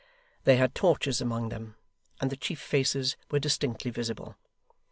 They had torches among them, and the chief faces were distinctly visible.